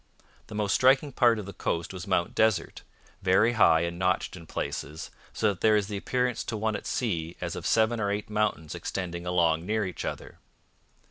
The most striking part of the coast was Mount Desert, 'very high and notched in places, so that there is the appearance to one at sea as of seven or eight mountains extending along near each other.'